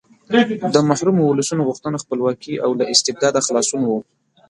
د محرومو ولسونو غوښتنه خپلواکي او له استبداده خلاصون و.